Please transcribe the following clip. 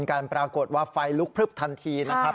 การปรากฏว่าไฟลุกพลึบทันทีนะครับ